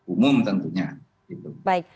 umum tentunya baik